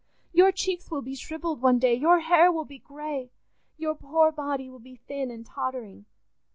Your cheeks will be shrivelled one day, your hair will be grey, your poor body will be thin and tottering!